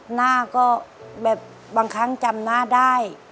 หน้าก็แบบบางครั้งจำหน้าได้